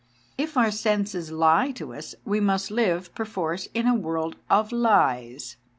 If our senses lie to us, we must live, per force, in a world of lies.